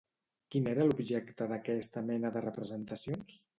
Quin era l'objecte d'aquesta mena de representacions?